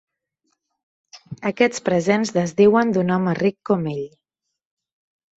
Aquests presents desdiuen d'un home ric com ell.